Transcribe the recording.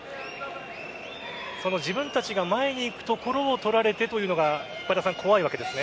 その自分たちが前に行くところを取られてというのが怖いわけですね。